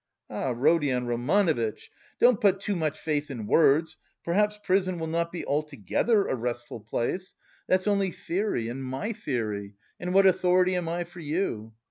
"Ah, Rodion Romanovitch, don't put too much faith in words, perhaps prison will not be altogether a restful place. That's only theory and my theory, and what authority am I for you?